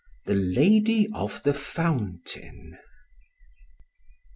THE LADY OF THE FOUNTAIN.